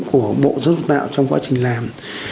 của bộ giáo dục và đào tạo trong quá trình làm